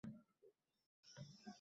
Boshladilar ig’vosin.